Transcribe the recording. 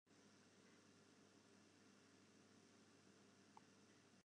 De wyn kin heel freonlik wêze mar hy kin ek heel fijannich wêze.